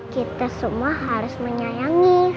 kita semua harus menyayangi